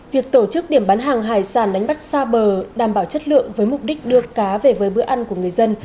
việc tổ chức điểm bán hàng hải sản đánh bắt xa bờ đảm bảo chất lượng với mục đích đưa cá về với bữa ăn của người dân